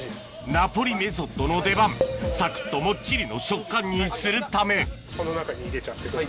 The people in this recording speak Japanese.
ナポリメソッドの出番サクっともっちりの食感にするためこの中に入れちゃってください。